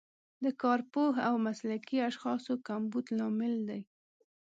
د کارپوه او مسلکي اشخاصو کمبود لامل دی.